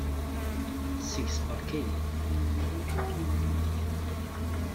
Seg-s beṛka-yi.